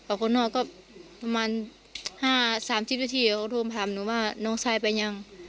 คนนอกก็ประมาณ๕๓๐นาทีเขาโทรมาถามหนูว่าน้องชายไปยัง